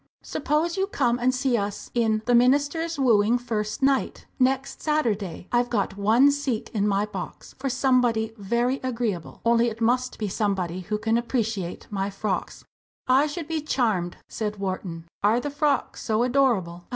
"Suppose you come and see us in 'The Minister's Wooing,' first night next Saturday. I've got one seat in my box, for somebody very agreeable. Only it must be somebody who can appreciate my frocks!" "I should be charmed," said Wharton. "Are the frocks so adorable?"